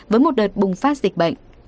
với một đợt bùng phát dịch bệnh